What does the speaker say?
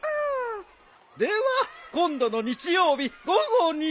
では今度の日曜日午後に。